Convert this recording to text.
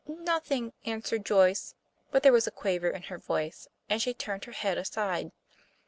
"Nothing," answered Joyce, but there was a quaver in her voice, and she turned her head aside.